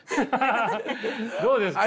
どうですか？